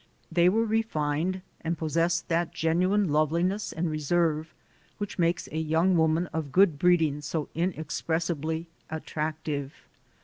They were refined and possessed that genuine loveliness and reserve which makes a young woman of good breeding so inexpressibly attractive.